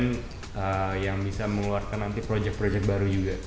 jadi sebuah brand yang bisa mengeluarkan nanti project project baru juga